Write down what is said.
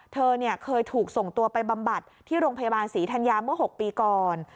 เธอเคยถูกส่งตัวไปบำบัดที่โรงพยาบาลศรีธัญญาเมื่อ๖ปีก่อน